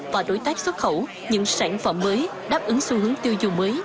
và đối tác xuất khẩu những sản phẩm mới đáp ứng xu hướng tiêu dùng mới